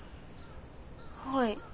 はい。